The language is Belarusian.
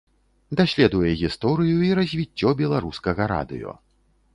Даследуе гісторыю і развіццё беларускага радыё.